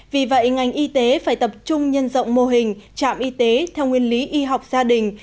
vì vậy ngành y tế phải tập trung nhân rộng mô hình trạm y tế theo nguyên lý y học gia đình